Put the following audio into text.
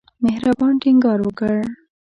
مهربان ټینګار وکړ.